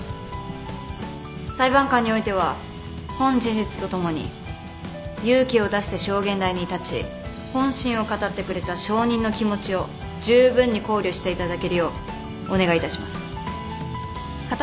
裁判官においては本事実とともに勇気を出して証言台に立ち本心を語ってくれた証人の気持ちをじゅうぶんに考慮していただけるようお願いいたします。